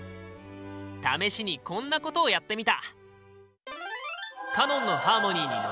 試しにこんなことをやってみた！